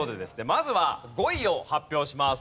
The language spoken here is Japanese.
まずは５位を発表します。